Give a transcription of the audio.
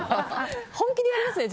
本気でやりますね。